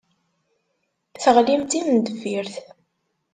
Teɣlim d timendeffirt.